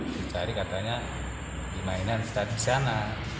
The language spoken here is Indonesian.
terus hari katanya di mainan setiap di sana